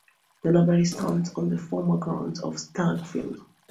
The library stands on the former grounds of Stagg Field.